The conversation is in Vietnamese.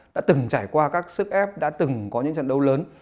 đã từng trải qua các sức ép đã từng có những trận đấu lớn